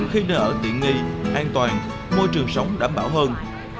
khi nơi ở tiện nghi an toàn môi trường sống đảm bảo hơn